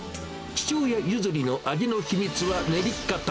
父親譲りの味の秘密は練り方。